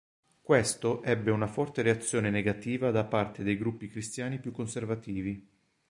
Questo ebbe una forte reazione negativa da parte dei gruppi Cristiani più conservativi.